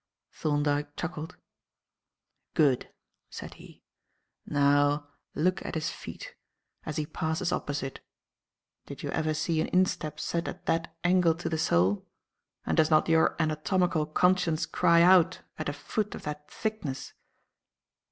Thorndyke chuckled. "Good," said he. "Now look at his feet, as he passes opposite. Did you ever see an instep set at that angle to the sole? And does not your anatomical conscience cry out at a foot of that thickness?"